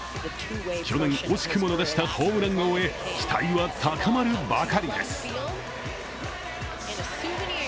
去年、惜しくも逃したホームラン王へ期待は高まるばかりです。